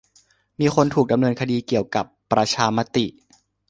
มีคนถูกดำเนินคดีเกี่ยวกับประชามติ